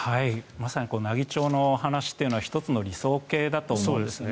まさに奈義町の話というのは１つの理想形だと思うんですね。